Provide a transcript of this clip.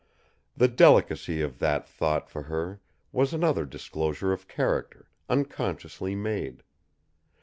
The delicacy of that thought for her was another disclosure of character, unconsciously made.